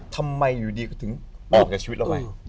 ทำไมอยู่ดีก็ถึงออกจากชีวิตเราไป